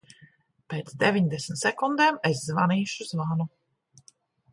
Pēc deviņdesmit sekundēm es zvanīšu zvanu.